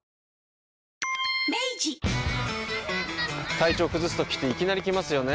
体調崩すときっていきなり来ますよね。